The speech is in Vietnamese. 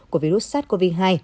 của virus sars cov hai